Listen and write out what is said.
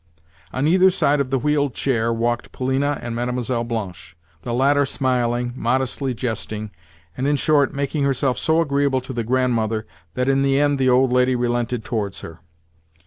On either side of the wheeled chair walked Polina and Mlle. Blanche—the latter smiling, modestly jesting, and, in short, making herself so agreeable to the Grandmother that in the end the old lady relented towards her.